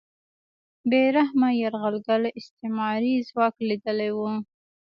بې رحمه یرغلګر استعماري ځواک لیدلی و